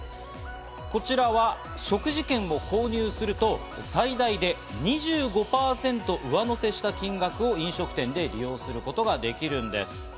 こちらは食事券を購入すると最大で２５％上乗せした金額を飲食店で利用することができるんです。